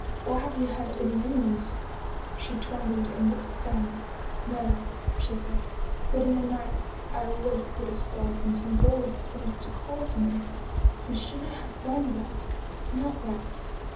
Or have you heard any rumors ?" She trembled and looked down. "No," she said; "but 54 Paul Heyse in the night I awake with a start and some voice seems to call to me, ' You should not have done that not that!'"